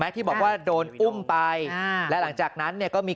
ที่บอกว่าโดนอุ้มไปและหลังจากนั้นเนี่ยก็มี